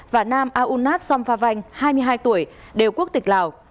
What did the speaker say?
và nam aounat somphavanh hai mươi hai tuổi đều quốc tịch lào